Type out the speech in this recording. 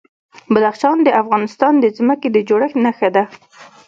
بدخشان د افغانستان د ځمکې د جوړښت نښه ده.